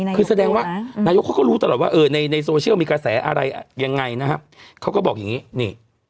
คือแสดงว่านายกเขาก็รู้ตลอดว่าในโซเชียลมีกระแสอะไรยังไงนะครับเขาก็บอกอย่างนี้นี่